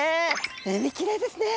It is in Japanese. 海きれいですね！